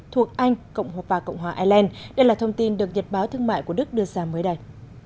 thuộc anh và cộng hòa ireland đây là thông tin được nhật báo thương mại của đức đưa ra mới đây